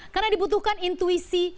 karena dibutuhkan intuisi